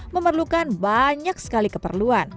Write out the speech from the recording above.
memerlukan banyak sekali keperluan